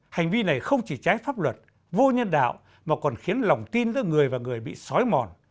hành vi này không chỉ trái pháp luật vô nhân đạo mà còn khiến lòng tin giữa người và người bị xói mòn